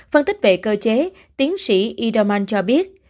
phân tích về cơ chế tiến sĩ iraman cho biết